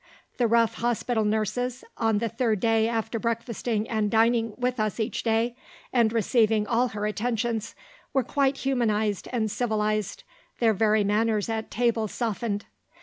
The rough hospital nurses, on the third day after breakfasting and dining with us each day, and receiving all her attentions, were quite humanized and civilized, their very manners at table softened.